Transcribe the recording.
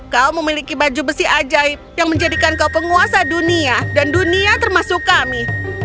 kau memiliki baju besi ajaib yang menjadikan kau penguasa dunia dan dunia termasuk kami